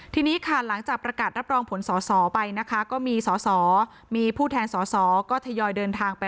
ทีนี้ค่ะหลังจากประกาศรับรองผลสอสอไปนะคะก็มีสอสอมีผู้แทนสอสอก็ทยอยเดินทางไป